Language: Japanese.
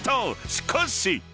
しかし］